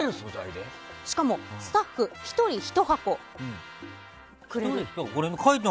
しかも、スタッフ１人１箱くれる。